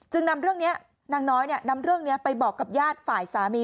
จึงน้องน้อยนำเรื่องนี้ไปบอกกับญาติฝ่ายสามี